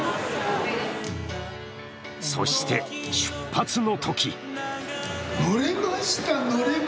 そして、出発のとき。